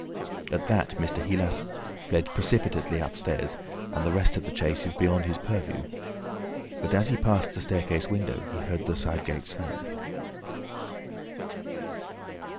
At that Mr. Heelas fled precipitately upstairs, and the rest of the chase is beyond his purview. But as he passed the staircase window, he heard the side gate slam.